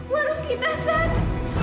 warung kita seth